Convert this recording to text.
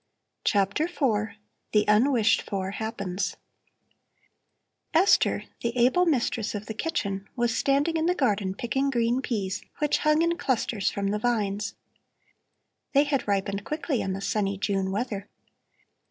CHAPTER IV THE UNWISHED FOR HAPPENS Esther, the able mistress of the kitchen, was standing in the garden picking green peas, which hung in clusters from the vines. They had ripened quickly in the sunny June weather.